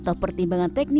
tapi kalau tidak berhitungnya